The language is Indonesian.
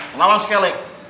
melawan si kelek